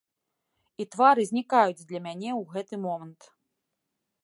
І твары знікаюць для мяне ў гэты момант.